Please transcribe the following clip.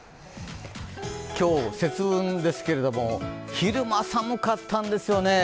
今日、節分ですけれども昼間、寒かったんですよね。